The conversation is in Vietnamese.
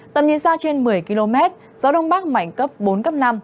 tầm nhiệt ra trên một mươi km gió đông bắc mạnh cấp bốn cấp năm